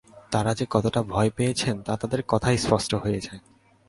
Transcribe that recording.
তাঁরা যে কতটা ভয় পেয়েছেন, তা তাঁদের কথায় স্পষ্ট হয়ে যায়।